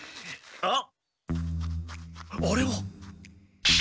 あっ！